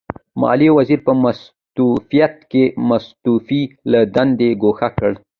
د ماليې وزیر په مستوفیت کې مستوفي له دندې ګوښه کړ.